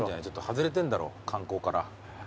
外れてんだろ観光から。